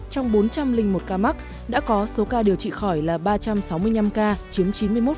trong bốn trăm linh một ca mắc đã có số ca điều trị khỏi là ba trăm sáu mươi năm ca chiếm chín mươi một